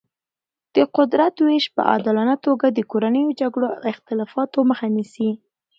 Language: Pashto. د قدرت ویش په عادلانه توګه د کورنیو جګړو او اختلافاتو مخه نیسي.